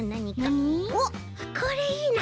おっこれいいな。